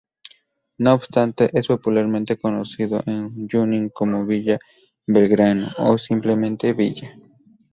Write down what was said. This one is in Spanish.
No obstante, es popularmente conocido en Junín como ""Villa Belgrano"", o simplemente ""Villa"".